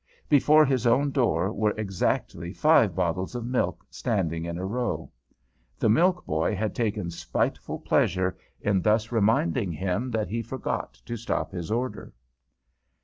Before his own door were exactly five bottles of milk, standing in a row. The milk boy had taken spiteful pleasure in thus reminding him that he forgot to stop his order.